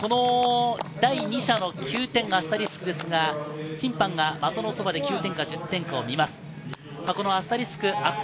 第２射の９点がアスタリスクですが、審判が的のそばで９点か１０点かを見ます。